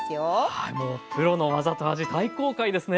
はいもうプロの技と味大公開ですね。